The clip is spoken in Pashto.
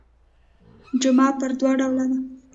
جمعه پر دوه ډوله ده.